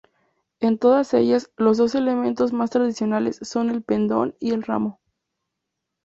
En todas ellas, los dos elementos más tradicionales son el pendón y el ramo.